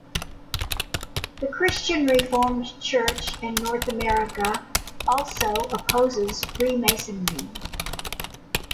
The Christian Reformed Church in North America also opposes Freemasonry.